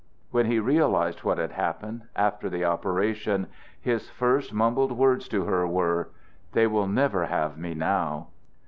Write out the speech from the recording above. When he realized what had happened, after the operation, his first mumbled words to her were: "They will never have me now."